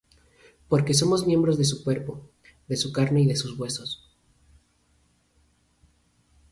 Porque somos miembros de su cuerpo, de su carne y de sus huesos.